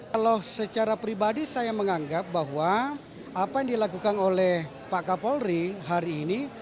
kalau secara pribadi saya menganggap bahwa apa yang dilakukan oleh pak kapolri hari ini